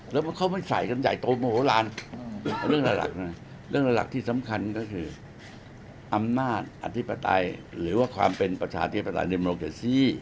แล้วมันเขาไม่ใส่กันใหญ่โตโมโหลาน